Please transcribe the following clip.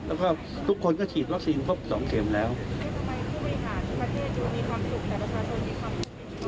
แล้วก็ทุกคนก็ฉีดวัคซีนพบสองเกมแล้วทุกประเทศจะมีความสูงในประชาชนที่ความสูง